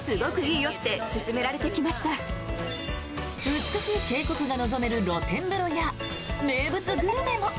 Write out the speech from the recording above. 美しい渓谷が望める露天風呂や名物グルメも！